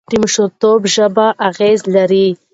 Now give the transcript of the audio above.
د مشرتابه ژبه اغېز لري